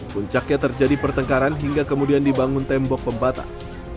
puncaknya terjadi pertengkaran hingga kemudian dibangun tembok pembatas